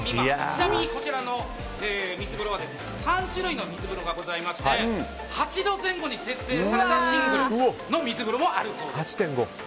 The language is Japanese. ちなみにこちらの水風呂は３種類の水風呂がございまして８度前後に設定されたシングルの水風呂もあるそうです。